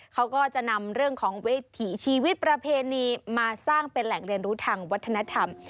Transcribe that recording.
เขาก็จะนำเรื่องของวิถีชีวิตประเพณีมาสร้างเป็นแหล่งเรียนรู้ทางวัฒนธรรม